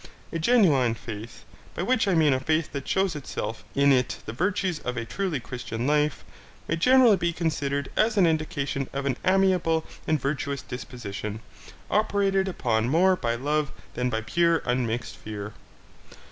A genuine faith, by which I mean a faith that shews itself in it the virtues of a truly Christian life, may generally be considered as an indication of an amiable and virtuous disposition, operated upon more by love than by pure unmixed fear.